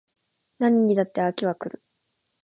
何にだって飽きは来る